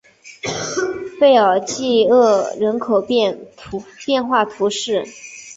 贝尔济厄人口变化图示